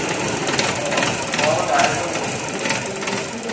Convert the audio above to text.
龍南路